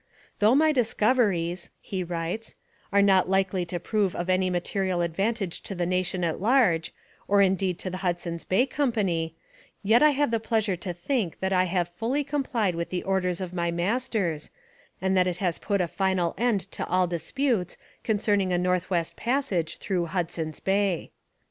'Though my discoveries,' he writes, 'are not likely to prove of any material advantage to the nation at large, or indeed to the Hudson's Bay Company, yet I have the pleasure to think that I have fully complied with the orders of my masters, and that it has put a final end to all disputes concerning a North West Passage through Hudson's Bay.'